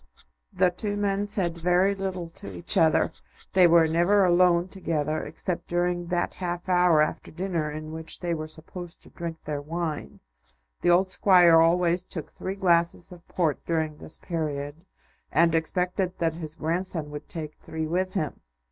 The two men said very little to each other. They were never alone together except during that half hour after dinner in which they were supposed to drink their wine. The old Squire always took three glasses of port during this period, and expected that his grandson would take three with him.